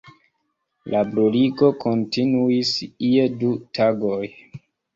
La bruligo kontinuis je du tagoj.